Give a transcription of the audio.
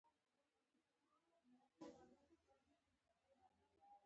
آیا استخبارات بیدار دي؟